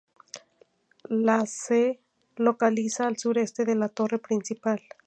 La se localiza al sureste de la torre principal.